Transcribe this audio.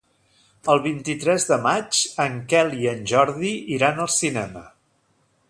El vint-i-tres de maig en Quel i en Jordi iran al cinema.